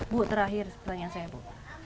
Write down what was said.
bu terakhir pertanyaan saya bu